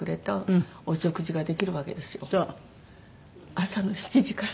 朝の７時から。